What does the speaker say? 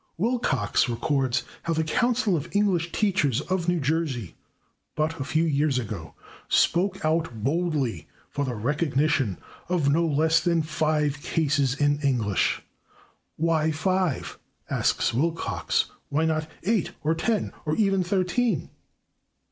Wilcox records how the Council of English Teachers of New Jersey, but a few years ago, spoke out boldly for the recognition of no less than five cases [Pg183] in English. "Why five?" asks Wilcox. "Why not eight, or ten, or even thirteen?